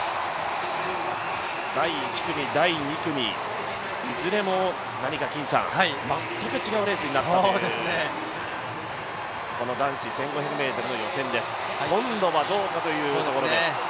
第１組、第２組、いずれも全く違うレースになったという男子１５００ｍの予選です今度はどうかというところです。